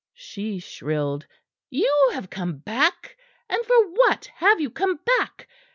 she shrilled. "You have come back! And for what have you come back?